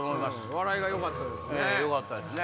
笑いがよかったですね。